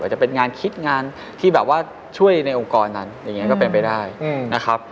จะเป็นงานคิดงานที่แบบว่าช่วยในองค์กรนั้นอย่างนี้ก็เป็นไปได้นะครับ